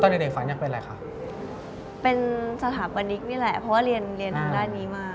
เด็กฝันอยากเป็นอะไรคะเป็นสถาปนิกนี่แหละเพราะว่าเรียนเรียนทางด้านนี้มา